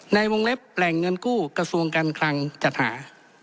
ในวงเล็บแหล่งเงินกู้กระทรวงการคลังจัดหา